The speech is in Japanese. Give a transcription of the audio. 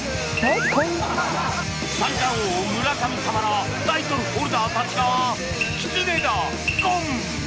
三冠王村神様らタイトルホルダーたちがきつねだコン！